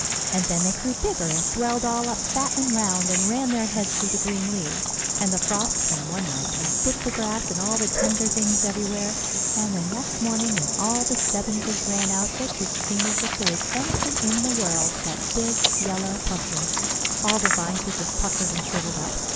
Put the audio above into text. And then they grew bigger, and swelled all up fat and round, and ran their heads through the green leaves; and the frost came one night, and bit the grass and all the tender things everywhere, and the next morning when all the Stebbinses ran out, it didn't seem as if there was anything in the world but big yellow pumpkins. All the vines were just puckered and shrivelled up.